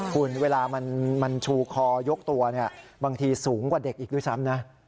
คุณเวลามันชูคอยกตัวเนี่ยบางทีสูงกว่าเด็กอีกด้วยซ้ำนะ